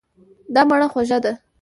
دا مڼه خوږه ده.